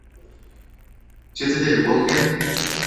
যেতে দে, বলকেন।